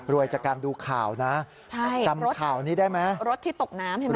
จากการดูข่าวนะใช่จำข่าวนี้ได้ไหมรถที่ตกน้ำเห็นไหม